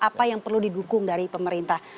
apa yang perlu didukung dari pemerintah